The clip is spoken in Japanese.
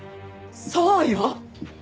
そうよ。